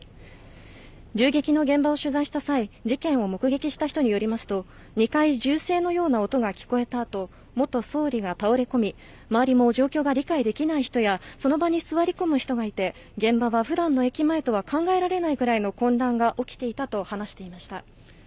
銃撃の現場を取材した際、事件を目撃した人によりますと、２回、銃声のような音が聞こえたあと、元総理が倒れ込み、周りも状況が理解できない人や、その場に座り込む人がいて、現場はふだんの駅前とは考えられないくらいの混乱が起きていたと話していました。